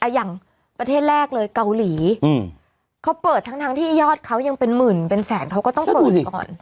อย่างประเทศแรกเลยเกาหลีเขาเปิดทั้งทั้งที่ยอดเขายังเป็นหมื่นเป็นแสนเขาก็ต้องเปิดก่อน